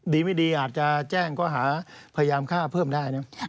ดีไม่ดีอาจจะแจ้งข้อหาพยายามฆ่าเพิ่มได้นะ